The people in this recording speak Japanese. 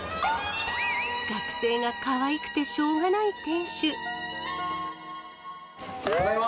学生がかわいくてしょうがなただいま。